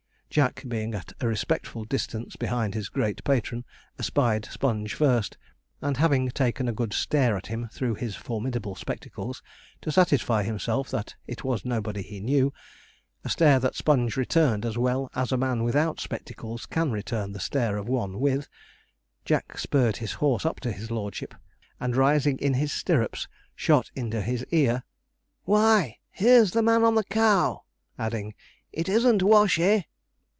Jack being at a respectful distance behind his great patron, espied Sponge first; and having taken a good stare at him through his formidable spectacles, to satisfy himself that it was nobody he knew a stare that Sponge returned as well as a man without spectacles can return the stare of one with Jack spurred his horse up to his lordship, and rising in his stirrups, shot into his ear 'Why, here's the man on the cow!' adding, 'it isn't Washey.'